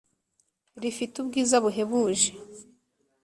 Rifite ubwiza buhebuje